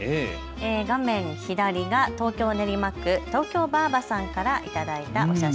画面左が東京練馬区、東京ばあばさんから頂いた写真。